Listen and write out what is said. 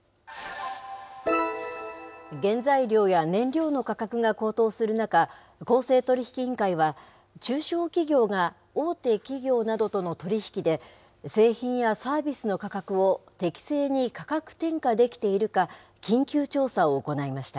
原材料や燃料の価格が高騰する中、公正取引委員会は、中小企業が大手企業などとの取り引きで、製品やサービスの価格を適正に価格転嫁できているか、緊急調査を行いました。